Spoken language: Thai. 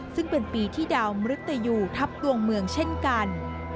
ซึ่งเป็นปีที่ดาวมรุตยูทับดวงเมืองเช่นกัน